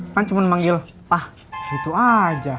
kan cuman manggil pak gitu aja